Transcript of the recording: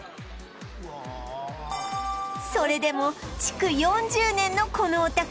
それでも築４０年のこのお宅